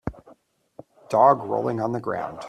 Dog rolling on the ground